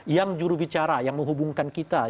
yang jurubicara yang menghubungkan kita